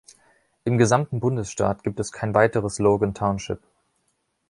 Im gesamten Bundesstaat gibt es kein weiteres Logan Township.